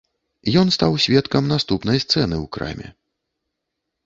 Ён стаў сведкам наступнай сцэны ў краме.